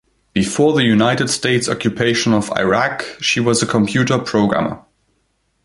Before the United States occupation of Iraq she was a computer programmer.